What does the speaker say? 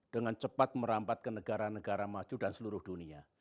dengan cepat merambat ke negara negara maju dan seluruh dunia